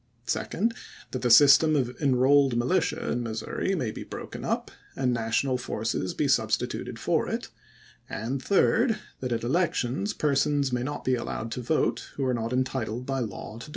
Second : That the system of Enrolled Militia in Mis souri may be broken up, and National forces be substituted for it ; and Third : That at elections persons may not be allowed to vote who are not entitled by law to do so.